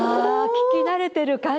聞き慣れてる感じです